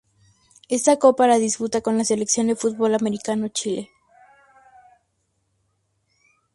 Esta copa la disputa con la Selección de fútbol americano de Chile.